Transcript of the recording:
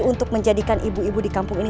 untuk menjadikan ibu ibu di kampung ini